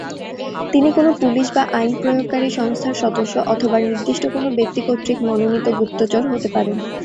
তিনি কোন পুলিশ বা আইন প্রয়োগকারী সংস্থার সদস্য অথবা নির্দিষ্ট কোন ব্যক্তি কর্তৃক মনোনীত গুপ্তচর হতে পারেন।